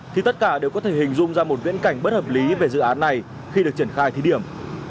thì tất cả đều có thể hình dung ra một viễn cảnh bất hợp lý về dự án này khi được triển khai thí điểm